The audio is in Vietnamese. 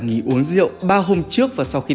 nghỉ uống rượu ba hôm trước và sau khi